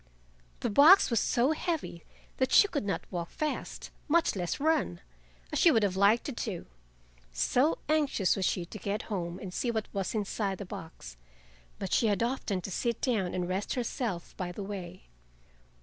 The box was so heavy that she could not walk fast, much less run, as she would have liked to do, so anxious was she to get home and see what was inside the box, but she had often to sit down and rest herself by the way.